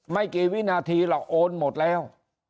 ไม่กี่วินาทีหรอกโอนหมดแล้ว